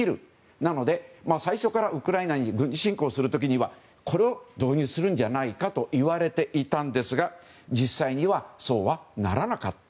なので最初からウクライナに軍事侵攻する時にはこれを導入するんじゃないかといわれていたんですが実際にはそうはならなかった。